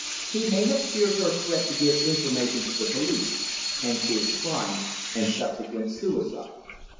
He may have feared her threat to give information to the police; hence his crime, and subsequent suicide."